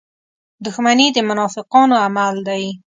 • دښمني د منافقانو عمل دی.